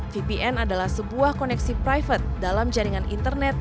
vpn adalah sebuah koneksi private dalam jaringan internet